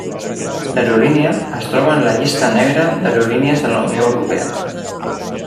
L'aerolínia es troba en la Llista negra d'aerolínies de la Unió Europea.